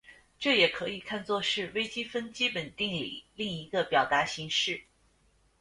这也可以看作是微积分基本定理另一个表达形式。